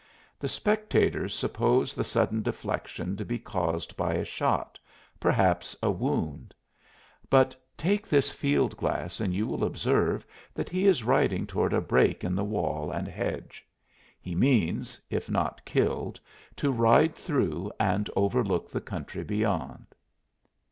The spectators suppose the sudden deflection to be caused by a shot, perhaps a wound; but take this field glass and you will observe that he is riding toward a break in the wall and hedge. He means, if not killed, to ride through and overlook the country beyond.